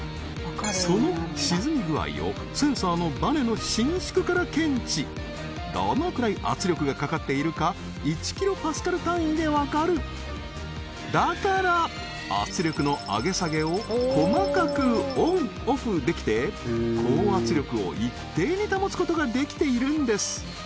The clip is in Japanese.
その沈み具合をセンサーのバネの伸縮から検知どのくらい圧力がかかっているか１ｋＰａ単位で分かるだから圧力の上げ下げを細かくＯＮ／ＯＦＦできて高圧力を一定に保つことができているんです